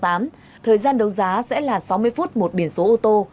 thời gian đấu giá sẽ là sáu mươi phút một biển số ô tô